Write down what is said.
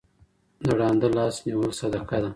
د ړانده لاس نيول صدقه ده.